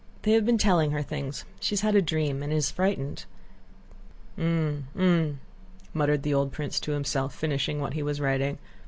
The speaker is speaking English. They have been telling her things. She has had a dream and is frightened." "Hm... Hm..." muttered the old prince to himself, finishing what he was writing.